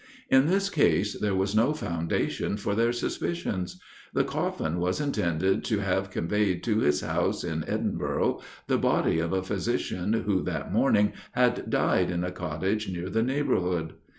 In this case there was no foundation for their suspicions. The coffin was intended to have conveyed to his house in Edinburgh the body of a physician who that morning had died in a cottage near the neighborhood.